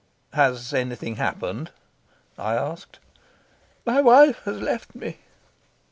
"Has anything happened?" I asked. "My wife has left me."